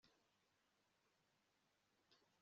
niba mfite amafaranga ahagije, nashoboraga kujya mumahanga